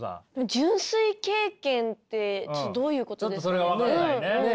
「純粋経験」ってどういうことですかね？